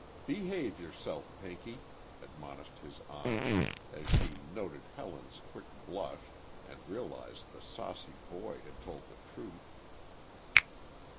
"Behave yourself, Pinky," admonished his aunt, as she noted Helen's quick blush and realized the saucy boy had told the truth.